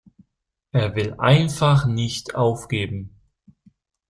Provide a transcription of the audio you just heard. Er will einfach nicht aufgeben.